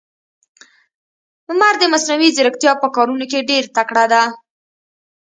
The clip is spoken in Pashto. عمر د مصنوي ځیرکتیا په کارونه کې ډېر تکړه ده.